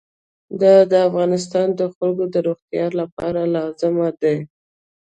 دا د افغانستان د خلکو د روغتیا لپاره لازم دی.